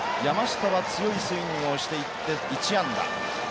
山下は強いスイングをしていって１安打。